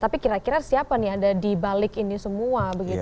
tapi kira kira siapa nih ada di balik ini semua begitu